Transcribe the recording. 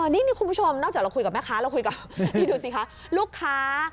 นี่คุณผู้ชมนอกจากเราคุยกับแม่ค้าเราคุยกับนี่ดูสิคะลูกค้า